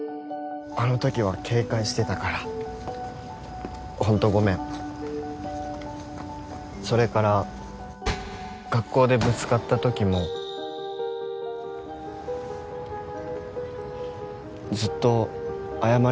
あのときは警戒してたからホントごめんそれから学校でぶつかったときもずっと謝りたかったんだ